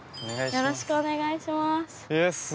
よろしくお願いします